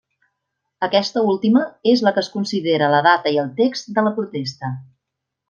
Aquesta última és la que es considera la data i el text de la Protesta.